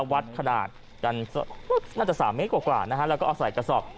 วัดขนาดกันน่าจะ๓เมตรกว่านะฮะแล้วก็เอาใส่กระสอบ